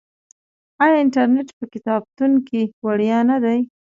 آیا انټرنیټ په کتابتون کې وړیا نه دی؟